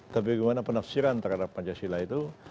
tapi gimana penafsiran terhadap pancasila itu